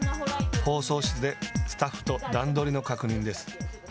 放送室でスタッフと段取りの確認です。